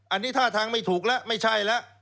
อันนี้ท่าทางไม่ถูกแล้วไม่ใช่แล้ว